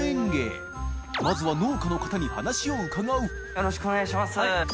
よろしくお願いします。